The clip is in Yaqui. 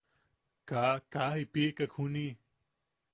Kaa... kaa jiʼipikek juni.